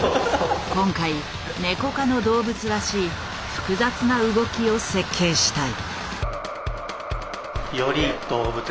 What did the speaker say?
今回ネコ科の動物らしい複雑な動きを設計したい。